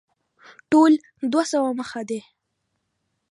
ټول دوه سوه مخه دی.